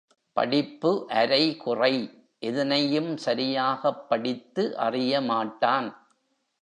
படிப்பு அரைகுறை எதனையும் சரியாகப் படித்து அறியமாட்டான்.